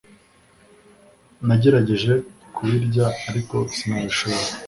Nagerageje kubirya ariko sinabishobora